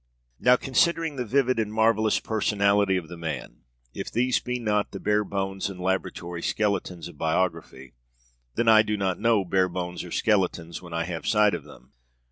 Now, considering the vivid and marvelous personality of the man, if these be not the bare bones and laboratory skeletons of biography, then I do not know bare bones or skeletons when I have sight of them.